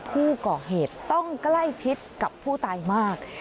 ผู้ก่อเหตุต้องใกล้ชิดกับผู้ตายมาก